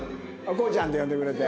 航ちゃんって呼んでくれて。